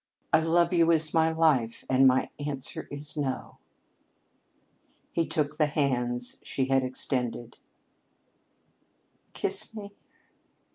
"I love you as my life, and my answer is 'no.'" He took the hands she had extended. "Kiss me!"